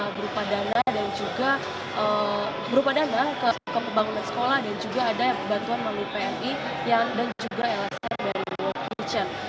berupa dana dan juga berupa dana ke pembangunan sekolah dan juga ada bantuan melalui pmi dan juga lsm dari richard